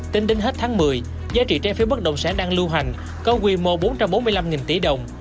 tính đến hết tháng một mươi giá trị trái phiếu bất động sản đang lưu hành có quy mô bốn trăm bốn mươi năm tỷ đồng